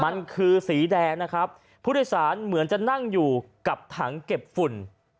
มันคือสีแดงนะครับผู้โดยสารเหมือนจะนั่งอยู่กับถังเก็บฝุ่น